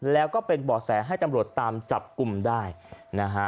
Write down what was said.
แล้วก็เป็นบ่อแสให้ตำรวจตามจับกลุ่มได้นะฮะ